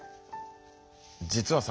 実はさ